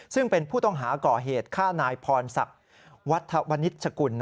ซึ่งเป็นผู้ต้องหาก่อเหตุฆ่านายพรศักดิ์วัฒวนิชกุล